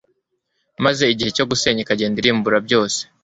maze igihe cyo gusenya ikagenda irimbura byose